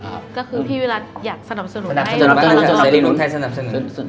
ก็คือพี่วิรัติอยากสนับสนุนให้